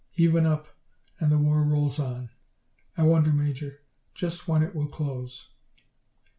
Even up, and the war rolls on. I wonder, Major, just when it will close?"